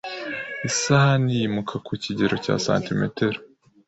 Isahani yimuka ku kigero cya santimetero